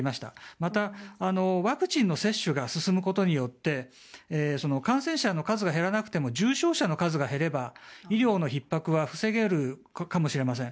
また、ワクチンの接種が進むことによって感染者の数が減らなくても重症者の数が減れば医療のひっ迫は防げるかもしれません。